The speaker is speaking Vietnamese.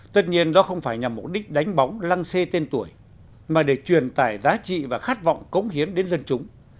tất nhiên đó không phải nhằm mục đích đánh bóng lăng xê tên tuổi mà để truyền tải giá trị và khát vọng cống hiến đến dân chúng